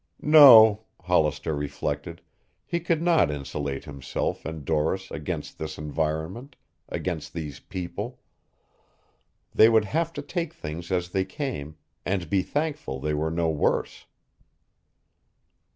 No, Hollister reflected, he could not insulate himself and Doris against this environment, against these people. They would have to take things as they came and be thankful they were no worse.